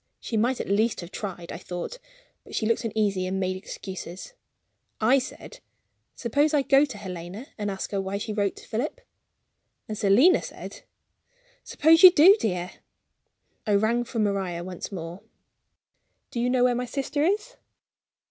She might at least have tried, I thought; but she looked uneasy, and made excuses. I said: "Suppose I go to Helena, and ask her why she wrote to Philip?" And Selina said: "Suppose you do, dear." I rang for Maria once more: "Do you know where my sister is?"